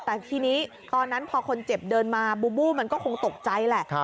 แต่ทีนี้ตอนนั้นพอคนเจ็บเดินมาบูบูมันก็คงตกใจแหละ